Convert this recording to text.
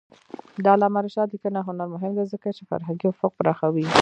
د علامه رشاد لیکنی هنر مهم دی ځکه چې فرهنګي افق پراخوي.